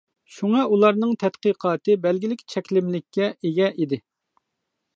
شۇڭا ئۇلارنىڭ تەتقىقاتى بەلگىلىك چەكلىمىلىككە ئىگە ئىدى.